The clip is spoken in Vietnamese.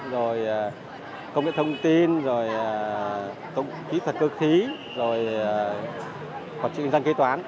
rồi công nghệ thông tin rồi kỹ thuật cơ khí rồi hoạt truyền doanh kế toán